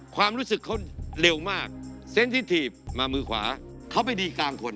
ความรู้สึกเขาเร็วมาก